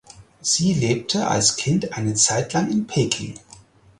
Sie lebte als Kind eine Zeitlang in Peking.